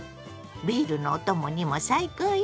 ビールのお供にも最高よ。